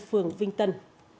phường vinh tân